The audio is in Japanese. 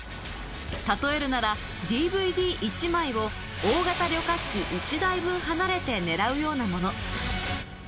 例えるなら、ＤＶＤ１枚を大型旅客機１台分離れて狙うようなもの。